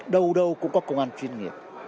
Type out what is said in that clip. đâu đâu cũng có công an chuyên nghiệp